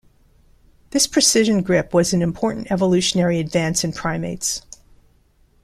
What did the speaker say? This precision grip was an important evolutionary advance in primates.